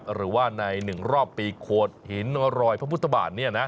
หรือว่าในหนึ่งรอบปีโคตรหินรอยพระพุทธบาท